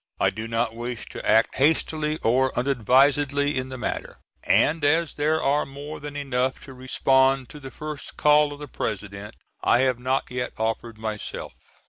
I do not wish to act hastily or unadvisedly in the matter, and as there are more than enough to respond to the first call of the President, I have not yet offered myself.